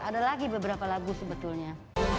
ada lagi beberapa lagu sebetulnya